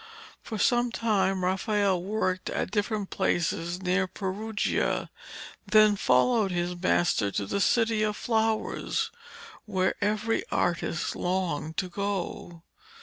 For some time Raphael worked at different places near Perugia, and then followed his master to the City of Flowers, where every artist longed to go.